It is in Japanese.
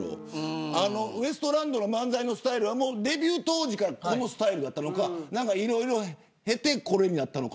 ウエストランドの漫才のスタイルはデビュー当時からこうだったのかいろいろなものを経てこうなったのか。